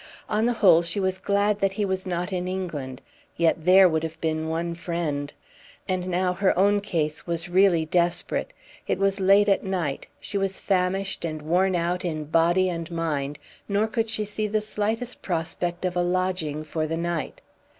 On the whole she was glad that he was not in England yet there would have been one friend. And now her own case was really desperate; it was late at night; she was famished and worn out in body and mind, nor could she see the slightest prospect of a lodging for the night.